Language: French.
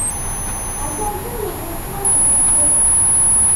Attention derrière toi, c'est affreux!